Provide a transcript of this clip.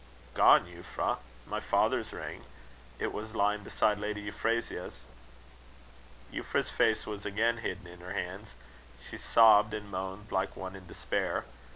"Gone, Euphra. My father's ring! It was lying beside Lady Euphrasia's." Euphra's face was again hidden in her hands. She sobbed and moaned like one in despair.